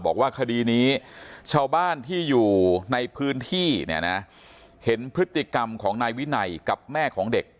บอกว่าคดีนี้ชาวบ้านที่อยู่ในพื้นที่เนี่ยนะเห็นพฤติกรรมของนายวินัยกับแม่ของเด็ก